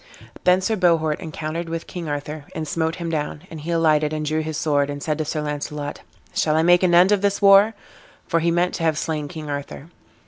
Then Sir Bohort encountered with King Arthur, and smote him down; and he alighted and drew his sword, and said to Sir Launcelot, "Shall I make an end of this war?" for he meant to have slain King Arthur.